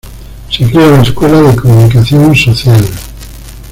Se crea la escuela de Comunicación Social.